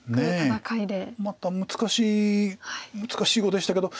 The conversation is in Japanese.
また難しい難しい碁でしたけど。